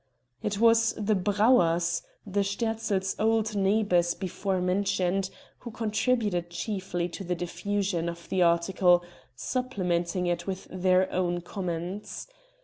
It was the Brauers the Sterzls' old neighbors before mentioned who contributed chiefly to the diffusion of the article, supplementing it with their own comments.